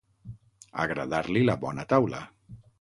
Agradar-li la bona taula.